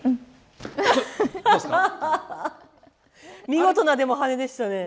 見事なでも羽でしたね。